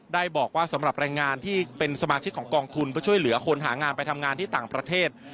ได้บอกว่าสำหรับแรงงานที่เป็นสมาชิกของกองทุนเพื่อช่วยเหลือคนหางานไปทำงานที่ต่างประเทศ